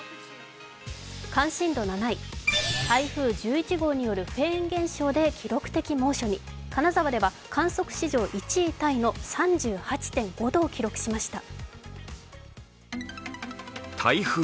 関心度７位台風１１号によるフェーン現象で記録的猛暑に金沢では観測史上１位タイの３８．５度を記録しました。